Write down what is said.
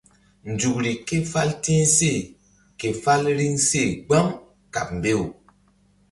Nzukri ké fál ti̧h seh ke fál riŋ seh gbam kaɓ mbew.